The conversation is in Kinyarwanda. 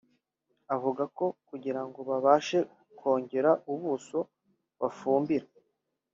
avuga ko kugira ngo babashe kongera ubuso bafumbira